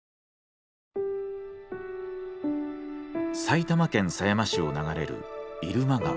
埼玉県狭山市を流れる入間川。